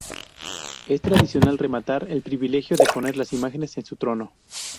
Es tradicional "rematar" el privilegio de poner las imágenes en su trono.